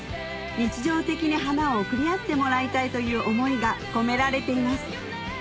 日常的に花を贈り合ってもらいたいという思いが込められています